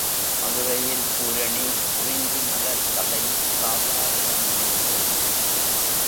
மதுரையில் பூரணி குறிஞ்சிமலர் க்கதை சாதாரணமானது.